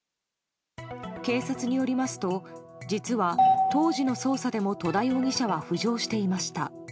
警察によりますと実は、当時の捜査でも戸田容疑者は浮上していました。